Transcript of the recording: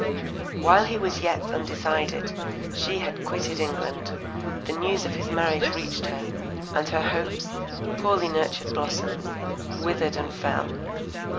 While he was yet undecided, she had quitted England; the news of his marriage reached her, and her hopes, poorly nurtured blossoms, withered and fell.